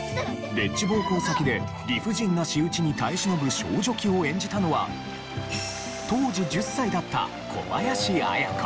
丁稚奉公先で理不尽な仕打ちに耐え忍ぶ少女期を演じたのは当時１０歳だった小林綾子。